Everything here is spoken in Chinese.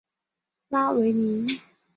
拉维尼。